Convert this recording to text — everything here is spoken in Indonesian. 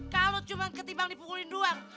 kalau cuma ketimbang dipukulin doang